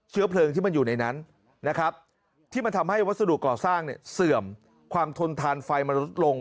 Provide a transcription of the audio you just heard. เพลิงที่มันอยู่ในนั้นนะครับที่มันทำให้วัสดุก่อสร้างเนี่ยเสื่อมความทนทานไฟมันลดลง